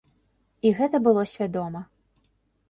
І гэта было свядома.